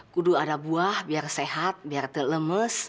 kudu ada buah biar sehat biar lemes